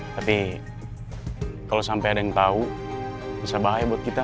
tapi kalo sampe ada yang tau bisa bahaya buat kita